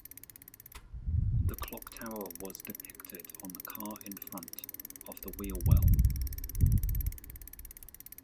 The Clock Tower was depicted on the car in front of the wheel well.